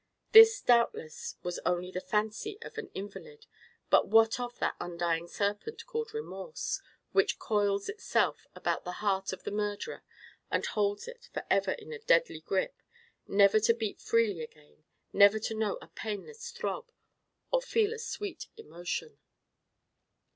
This doubtless was only the fancy of an invalid: but what of that undying serpent called Remorse, which coils itself about the heart of the murderer and holds it for ever in a deadly grip—never to beat freely again, never to know a painless throb, or feel a sweet emotion?